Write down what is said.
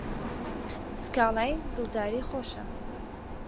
سکاڵای دڵداری خۆشە